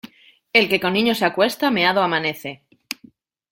El que con niños se acuesta, meado amanece.